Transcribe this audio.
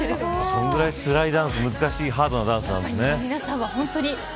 それぐらい、つらいダンスハードなダンスなんですね。